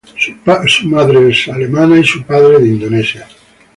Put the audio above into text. Su padre es de Indonesia y su madre es alemana.